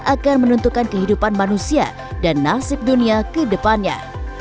akan menentukan kehidupan manusia dan nasib dunia ke depannya